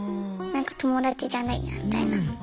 「友達じゃないな」みたいな。